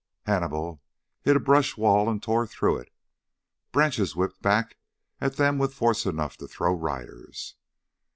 Hannibal hit a brush wall and tore through it. Branches whipped back at them with force enough to throw riders.